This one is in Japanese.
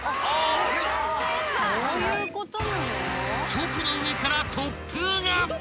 ［チョコの上から突風が！］